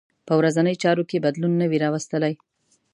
په ورځنۍ چارو کې بدلون نه وي راوستلی.